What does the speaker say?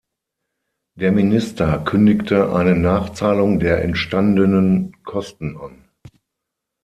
Der Minister kündigte eine Nachzahlung der entstandenen Kosten an.